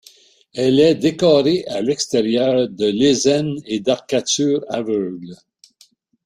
Elle est décorée à l'extérieur de lésènes et d'arcatures aveugles.